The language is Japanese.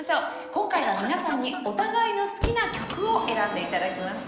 今回は皆さんにお互いの好きな曲を選んで頂きました。